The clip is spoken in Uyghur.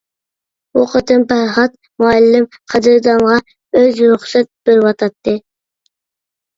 بۇ قېتىم پەرھات مۇئەللىم قەدىردانغا ئۆز رۇخسەت بېرىۋاتاتتى.